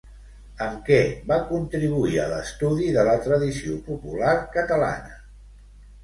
Amb què va contribuir a l'estudi de la tradició popular catalana?